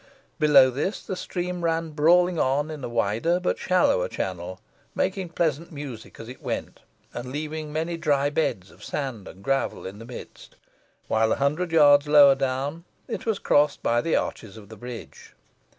Below this the stream ran brawling on in a wider, but shallower channel, making pleasant music as it went, and leaving many dry beds of sand and gravel in the midst; while a hundred yards lower down, it was crossed by the arches of the bridge.